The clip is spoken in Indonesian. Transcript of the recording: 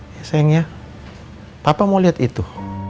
ya sayang ya bapak mau lihat itu